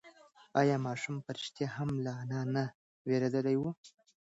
ایا ماشوم په رښتیا هم له انا نه وېرېدلی و؟